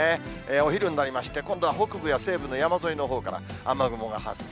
お昼になりまして、今度は北部や西部の山沿いのほうから雨雲が発生。